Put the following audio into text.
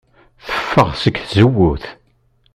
Teffeɣ seg tzewwut.